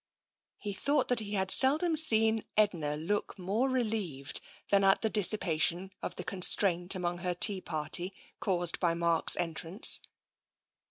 He thought that he had seldom seen Edna look more TENSION 39 relieved than at the dissipation of the constraint amongst her tea party, caused by Mark's entrance.